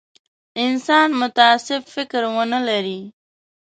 انسان متعصب فکر ونه لري.